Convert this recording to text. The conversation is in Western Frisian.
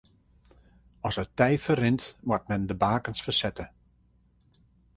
As it tij ferrint moat men de beakens fersette.